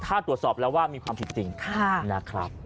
ถ้าตรวจสอบแล้วว่ามีความผิดจริงนะครับ